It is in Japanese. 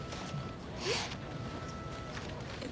えっ？